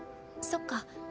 そっか。